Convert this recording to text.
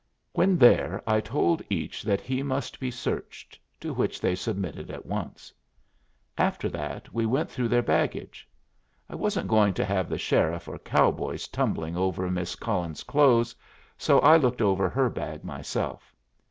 When there I told each that he must be searched, to which they submitted at once. After that we went through their baggage. I wasn't going to have the sheriff or cowboys tumbling over Miss Cullen's clothes, so I looked over her bag myself.